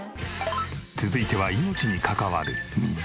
続いては命に関わる水。